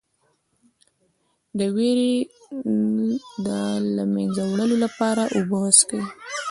د ویرې د له منځه وړلو لپاره اوبه وڅښئ